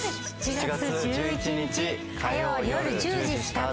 ７月１１日火曜よる１０時スタート